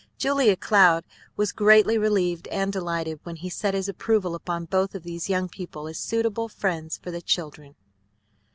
Julia Cloud was greatly relieved and delighted when he set his approval upon both these young people as suitable friends for the children.